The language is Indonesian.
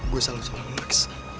gue salah salah sama lex